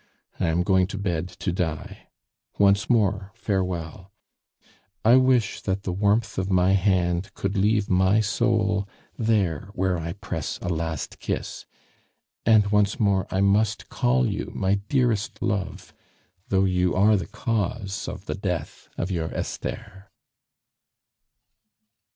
I am going to bed to die. Once more, farewell! I wish that the warmth of my hand could leave my soul there where I press a last kiss and once more I must call you my dearest love, though you are the cause of the death of your Esther."